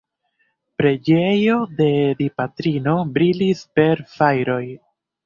Preĝejo de Dipatrino brilis per fajroj.